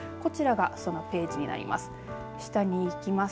こちらがそのページになります。